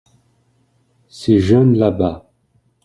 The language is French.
Ces jaunes là-bas.